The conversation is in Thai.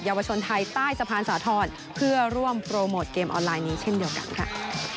วชนไทยใต้สะพานสาธรณ์เพื่อร่วมโปรโมทเกมออนไลน์นี้เช่นเดียวกันค่ะ